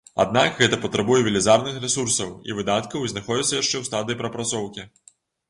Аднак гэта патрабуе велізарных рэсурсаў і выдаткаў і знаходзіцца яшчэ ў стадыі прапрацоўкі.